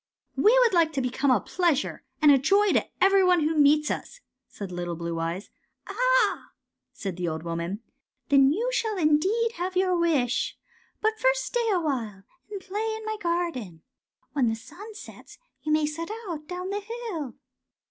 *' We would like to become a pleasure and a joy to every one who meets us," said little Blue Byes. '^ Ah," said the old woman, " then you shall indeed have your wish. But first stay awhile and play in my garden. When the sun sets you may set out down the hill.